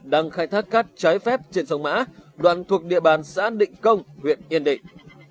đang khai thác cát trái phép trên sông mã đoạn thuộc địa bàn xã định công huyện yên định